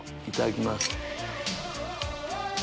いただきます。